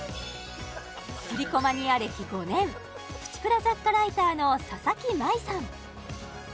スリコマニア歴５年プチプラ雑貨ライターの佐々木舞さん